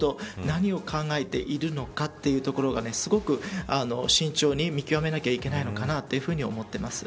何を考えているのかというところがすごく慎重に見極めなきゃいけないのかなと思っています。